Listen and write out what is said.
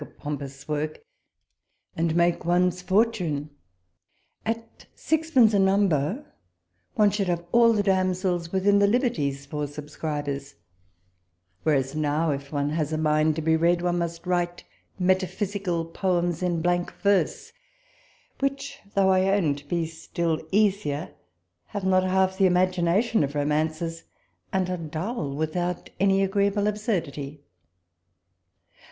53 a pompous work, and make one's fortune ; at sixpence a number, one should have all the damsels within the liberties for subscribers : whereas now, if one has a mind to be read, one must write metaphysical poems in blank verse, which, though I own to be still easier, have not half the imagination of romances, and are dull without any agreeable absuraity.